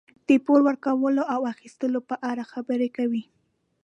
د پور ورکولو او اخیستلو په اړه خبرې کوي.